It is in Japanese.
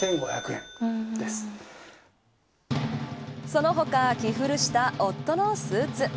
その他、着古した夫のスーツ。